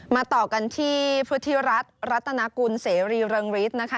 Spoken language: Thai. มาต่อกันที่พุทธิรัฐรัตนากุลเสรีเริงฤทธิ์นะคะ